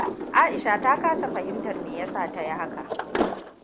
Aisha ta kasa fahimtar meyasa ta yi haka.